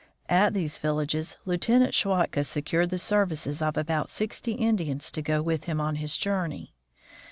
At these villages Lieutenant Schwatka secured the services of about sixty Indians to go with him on his journey.